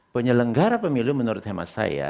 penyelenggara pemilu menurut hemat saya